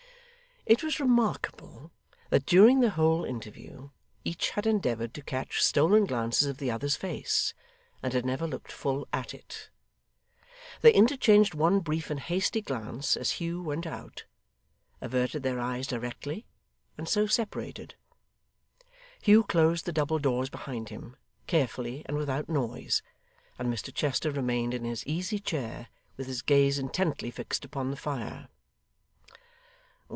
It was remarkable that during the whole interview, each had endeavoured to catch stolen glances of the other's face, and had never looked full at it. They interchanged one brief and hasty glance as Hugh went out, averted their eyes directly, and so separated. Hugh closed the double doors behind him, carefully and without noise; and Mr Chester remained in his easy chair, with his gaze intently fixed upon the fire.